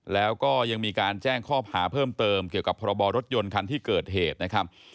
แล้วก็ยังมีการแจ้งข้อหาเพิ่มเติมเกี่ยวกับพรบรถยนต์คันที่เกิดเหตุนะครับ